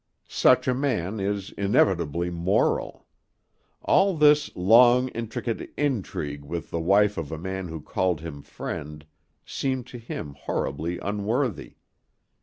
Such a man is inevitably moral. All this long, intricate intrigue with the wife of a man who called him friend, seemed to him horribly unworthy.